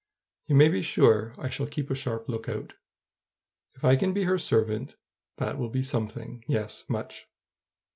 You may be sure I shall keep a sharp lookout. If I can be her servant, that will be something; yes, much.